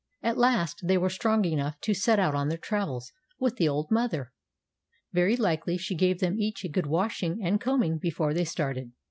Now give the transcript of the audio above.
At last they were strong enough to set out on their travels with the old mother. Very likely she gave them each a good washing and combing before they started.